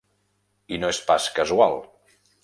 I no és pas casual.